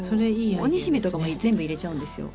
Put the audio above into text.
お煮しめとかも全部入れちゃうんですよ。